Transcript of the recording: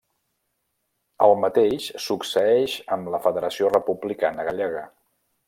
El mateix succeeix amb la Federació Republicana Gallega.